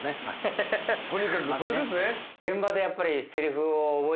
とにかくそれですね。